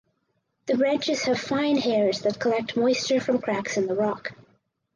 The branches have fine hairs that collect moisture from cracks in the rock.